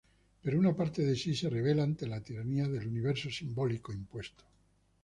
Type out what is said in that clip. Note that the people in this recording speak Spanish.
Pero una parte de sí se rebela ante la tiranía del Universo simbólico impuesto.